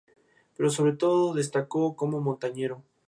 Pero sobre todo destacó como montañero.